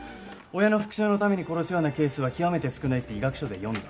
親の復讐のために殺すようなケースは極めて少ないって医学書で読んだ。